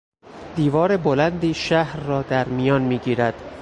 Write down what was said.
دیوار بلندی شهر را درمیان میگیرد.